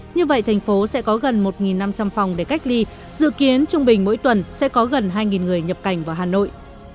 như vậy thành phố sẽ có gần một năm trăm linh phòng để cách ly dự kiến trung bình mỗi tuần sẽ có gần hai người nhập cảnh vào hà nội